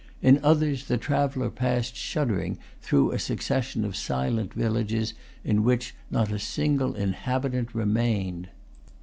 In others, the traveller passed shuddering through a succession of silent villages, in which not a single inhabitant remained.